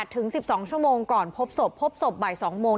ถึง๑๒ชั่วโมงก่อนพบศพพบศพบ่าย๒โมง